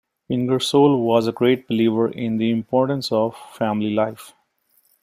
Ingersoll was a great believer in the importance of family life.